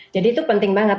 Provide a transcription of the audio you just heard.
jadi itu penting banget